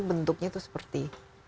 bentuknya itu seperti